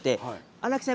荒木さん